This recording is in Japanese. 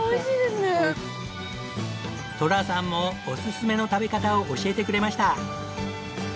寅さんもおすすめの食べ方を教えてくれました。